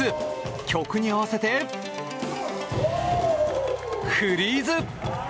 曲に合わせてフリーズ。